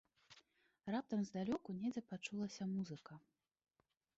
Раптам здалёку недзе пачулася музыка.